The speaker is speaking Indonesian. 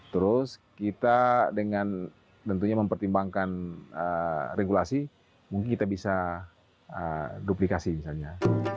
terus kita dengan tentunya mempertimbangkan regulasi mungkin kita bisa duplikasi misalnya